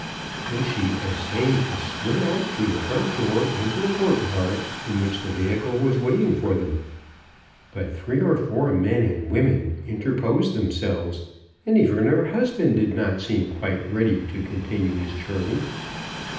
Then she essayed to swim out through the front door into the courtyard, in which the vehicle was waiting for them. But three or four men and women in terposed themselves, and even her husband did not seem quite ready to continue his journey.